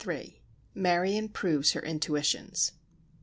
MARION PROVES HER INTUITIONS.